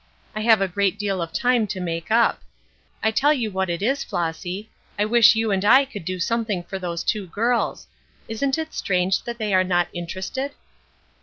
I have a great deal of time to make up. I tell you what it is, Flossy, I wish you and I could do something for those two girls. Isn't it strange that they are not interested?"